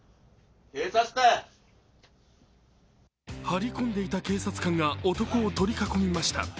張り込んでいた警察官が男を取り囲みました。